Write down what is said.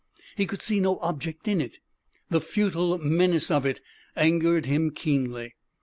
He could see no object in it. The futile menace of it angered him keenly.